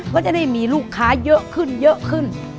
ก็จะได้มีลูกค้าเยอะขึ้น